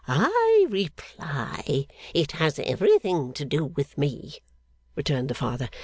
'I reply it has everything to do with me,' returned the Father.